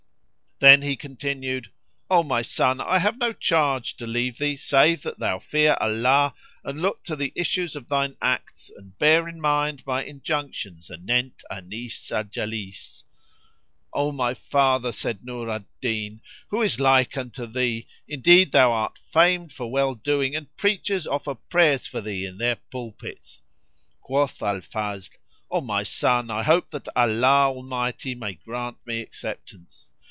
Then he continued, "O my son, I have no charge to leave thee save that thou fear Allah and look to the issues of thine acts and bear in mind my injunctions anent Anis al Jalis." "O my father!" said Nur al Din, "who is like unto thee? Indeed thou art famed for well doing and preachers offer prayers for thee in their pulpits!" Quoth Al Fazl, "O my son, I hope that Allah Almighty may grant me acceptance!"